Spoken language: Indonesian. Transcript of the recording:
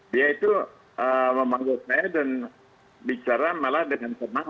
dia itu memanggil saya dan bicara malah dengan tenang